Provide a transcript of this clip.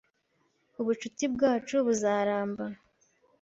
Ubucuti bwacu buzaramba.